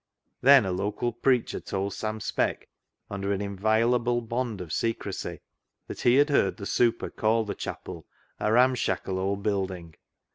Then a local preacher told Sam Speck under an inviolable bond of secrecy that he had heard the " super " call the chapel a " ramshackle old building."